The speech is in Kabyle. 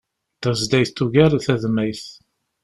Tazdayt tugar tadmayt